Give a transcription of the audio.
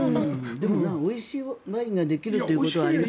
おいしいワインができるっていうことは。